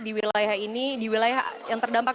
di wilayah ini di wilayah yang terdampak